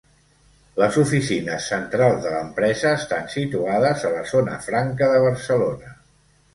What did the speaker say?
Les oficines centrals de l'empresa estan situades a la Zona Franca de Barcelona.